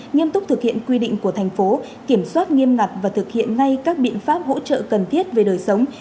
nghiêm túc thực hiện quy định của thành phố kiểm soát nghiêm ngặt và thực hiện ngay các biện pháp hỗ trợ cần thiết về đời sống